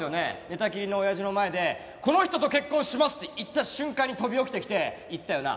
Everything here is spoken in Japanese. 寝たきりの親父の前で「この人と結婚します」って言った瞬間に跳び起きてきて「言ったよな？